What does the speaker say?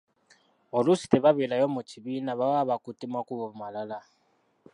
Oluusi tebabeerayo mu kibiina baba bakutte makubo malala.